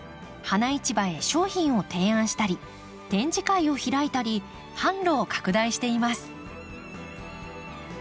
花市場へ商品を提案したり展示会を開いたり販路を拡大しています。